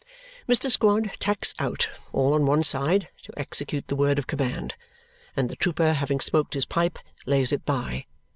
Mr. Squod tacks out, all on one side, to execute the word of command; and the trooper, having smoked his pipe, lays it by.